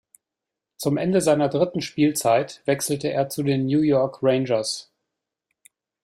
Zum Ende seiner dritten Spielzeit wechselte er zu den New York Rangers.